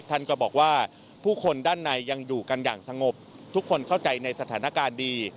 ท่านก็บอกว่าผู้คนด้านในยังอยู่กันอย่างสงบทุกคนเข้าใจในสถานการณ์ดี